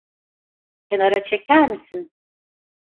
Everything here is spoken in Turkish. Kenara çeker misin?